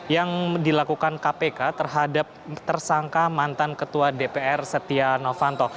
yang dilakukan kpk terhadap tersangka mantan ketua dpr setia novanto